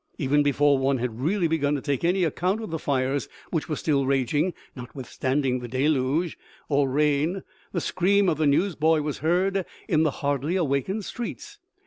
Even before one had really begun to take any account of the fires which were still raging, notwithstanding the deluge or rain, the scream of the newsboy was heard in the hardly awakened streets.